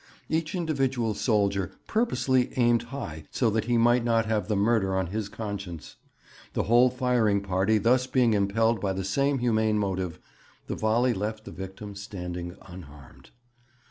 Each individual soldier purposely aimed high so that he might not have the murder on his conscience. The whole firing party thus being impelled by the same humane motive, the volley left the victim standing unharmed.